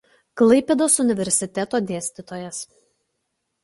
Klaipėdos universiteto dėstytojas.